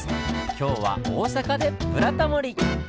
今日は大阪で「ブラタモリ」！